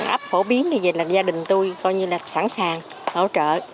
ấp phổ biến thì là gia đình tôi sẵn sàng hỗ trợ